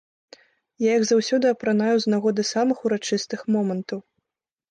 Я іх заўсёды апранаю з нагоды самых урачыстых момантаў.